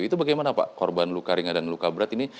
itu bagaimana pak korban luka ringan dan luka berat ini